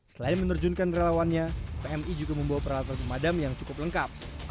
selain menerjunkan relawannya pmi juga membawa peralatan pemadam yang cukup lengkap